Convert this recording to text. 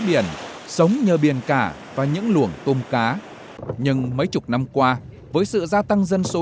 biển sống nhờ biển cả và những luồng tôm cá nhưng mấy chục năm qua với sự gia tăng dân số